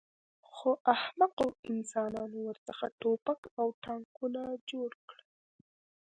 خو احمقو انسانانو ورڅخه ټوپک او ټانکونه جوړ کړل